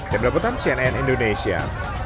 demi leputan cnn indonesia